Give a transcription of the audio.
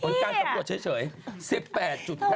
อันการสำรวจเฉย๑๘๕นะครับโอ้โฮรู้สิใส่เองด้วย